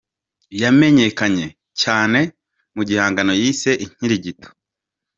Yamenyekanye cyane mu gihangano yise ’Inkirigito’.